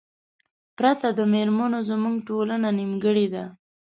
پرته د میرمنو زمونږ ټولنه نیمګړې ده